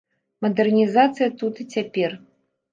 Мадэрнізацыя тут і цяпер.